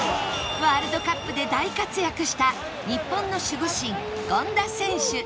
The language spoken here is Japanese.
ワールドカップで大活躍した日本の守護神権田選手